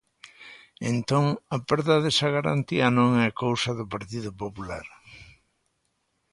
Entón, a perda desa garantía non é cousa do Partido Popular.